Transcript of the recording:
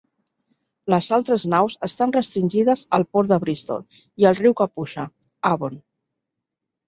Les altres naus estan restringides al port de Bristol i el riu que puja, Avon.